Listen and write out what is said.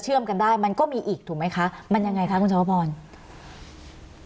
กันได้มันก็มีอีกถูกไหมคะมันยังไงคะคุณชาวพร